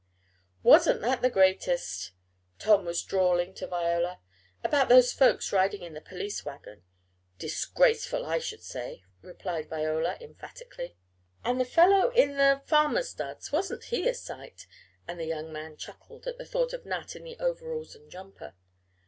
"Wasn't that the greatest," Tom was drawling to Viola, "about those folks riding in the police wagon." "Disgraceful, I should say," replied Viola, emphatically. "And the fellow in the farmer's duds. Wasn't he a sight?" and the young man chuckled at the thought of Nat in the overalls and jumper.